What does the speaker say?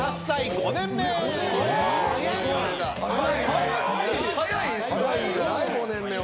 ５年目は。